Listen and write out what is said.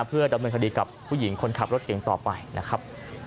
เพื่อดำเนินคดีกับผู้หญิงคนขับรถเก่งต่อไปนะครับ